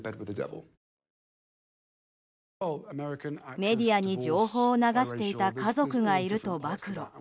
メディアに、情報を流していた家族がいると暴露。